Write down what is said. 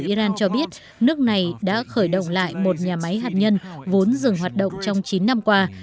iran cho biết nước này đã khởi động lại một nhà máy hạt nhân vốn dừng hoạt động trong chín năm qua